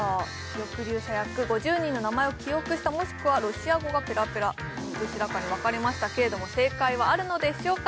抑留者役５０人の名前を記憶したもしくはロシア語がペラペラどちらかに分かれましたけれども正解はあるのでしょうか